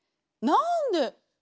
なんで。